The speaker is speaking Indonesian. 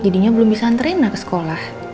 jadinya belum bisa anter rena ke sekolah